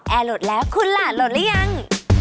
แอร์โหลดแล้วคุณล่ะโหลดแล้วยัง